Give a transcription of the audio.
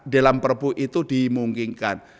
dalam perbu itu dimungkinkan